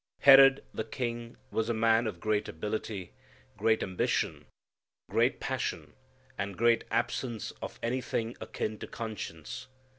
Herod the King was a man of great ability, great ambition, great passion, and great absence of anything akin to conscience.